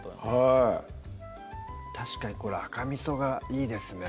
はい確かにこれ赤みそがいいですね